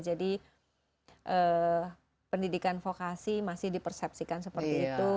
jadi pendidikan vokasi masih di persepsikan seperti itu